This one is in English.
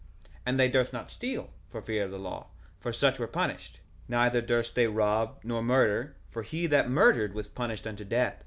1:18 And they durst not steal, for fear of the law, for such were punished; neither durst they rob, nor murder, for he that murdered was punished unto death.